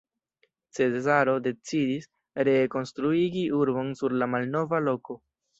Cezaro decidis, ree konstruigi urbon sur la malnova loko.